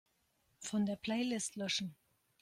Von der Playlist löschen.